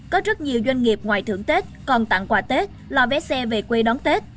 có rất nhiều doanh nghiệp ngoài thưởng tết còn tặng quà tết lò vé xe về quê đón tết